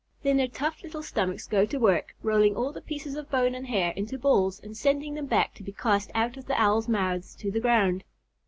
Then their tough little stomachs go to work, rolling all the pieces of bone and hair into balls and sending them back to be cast out of the Owls' mouths to the ground.